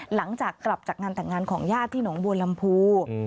หลังจากกลับจากงานแต่งงานของญาติที่หนองบัวลำพู